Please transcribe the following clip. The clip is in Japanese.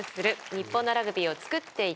日本のラグビーを作っていった」